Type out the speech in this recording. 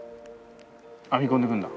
編み込んでいくんだ。